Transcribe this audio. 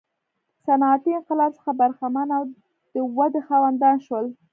صنعتي انقلاب څخه برخمن او د ودې خاوندان شول.